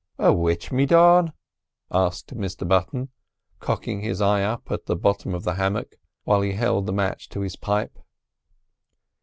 "A which me dawn?" asked Mr Button, cocking his eye up at the bottom of the hammock while he held the match to his pipe.